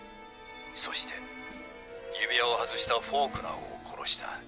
そして指輪を外したフォークナーを殺した。